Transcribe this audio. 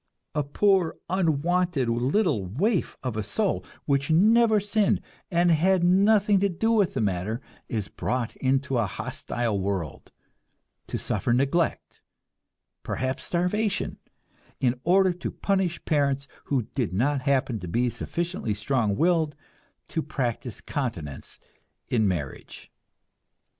A poor, unwanted little waif of a soul, which never sinned, and had nothing to do with the matter, is brought into a hostile world, to suffer neglect, and perhaps starvation in order to punish parents who did not happen to be sufficiently strong willed to practice continence in marriage!